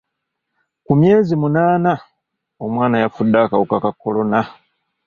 Ku myezi munaana, omwana yafudde akawuka ka kolona.